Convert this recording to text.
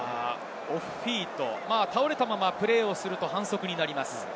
オフフィート、倒れたままプレーすると反則になります。